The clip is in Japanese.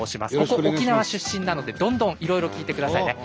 ここ沖縄出身なのでどんどんいろいろ聞いてくださいね。